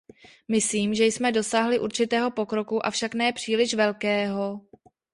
Myslím, že jsme dosáhli určitého pokroku, avšak ne příliš velkého.